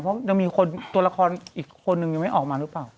เพราะยังมีคนตัวละครอีกคนนึงยังไม่ออกมาหรือเปล่า